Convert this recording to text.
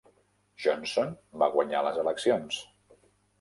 Johnson va guanyar les eleccions.